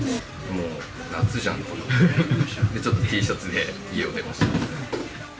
もう夏じゃんと思って、ちょっとＴシャツで家を出ました。